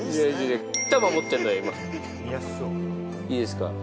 いいですか。